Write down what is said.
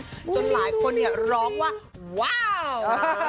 จนหลายคนร้องว่าว้าว